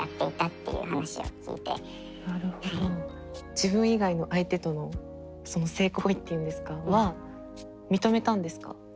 自分以外の相手との性行為っていうんですかは認めたんですか？